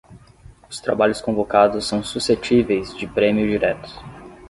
Os trabalhos convocados são suscetíveis de prêmio direto.